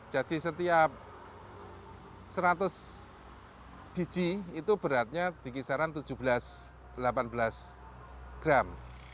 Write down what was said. jadi setiap seratus biji itu beratnya di kisaran tujuh belas delapan belas gram